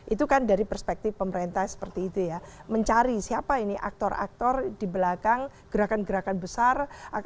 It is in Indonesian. itu kan dari perspektif pemerintah seperti itu ya mencari siapa ini aktor aktor di belakang gerakan gerakan besar